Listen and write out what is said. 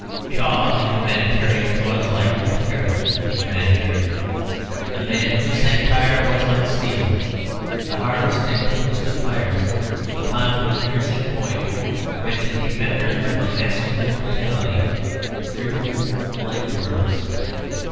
Shaw the humanitarian was like Voltaire the humanitarian, a man whose satire was like steel, the hardest and coolest of fighters, upon whose piercing point the wretched defenders of a masculine brutality wriggled like worms.